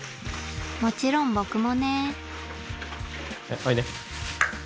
もちろん僕もねおいで。